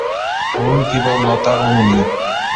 ښوونکي به ملاتړ ومومي.